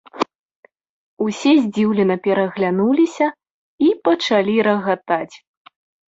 Усе здзіўлена пераглянуліся і пачалі рагатаць.